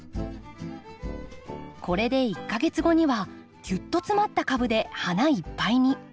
これで１か月後にはギュッと詰まった株で花いっぱいに。